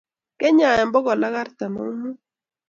Kenya bogol ak artam ak mut